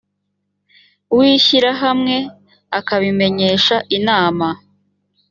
w ishyirahamwe akabimenyesha inama